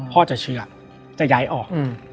พ่อจะเชื่อจะย้ายออก